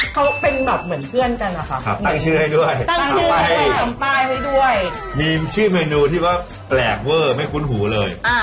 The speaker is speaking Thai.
เขาเป็นแบบเหมือนเพื่อนกันค่ะต้องชื่อจะได้ได้ไม่ชื่อเมนูที่บอกแบบแหลกเว่อไม่คุ้นหูเลยอ่ะ